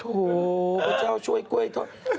โถโฮพระเจ้าช่วยเก้าไอ้เธอ